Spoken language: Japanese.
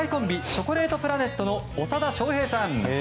チョコレートプラネットの長田庄平さん。